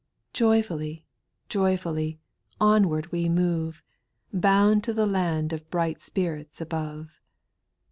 Joyfully, joyfully, onward we move. Bound to the land of bright spirits above.